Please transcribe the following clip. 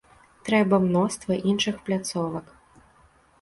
Трэба мноства іншых пляцовак.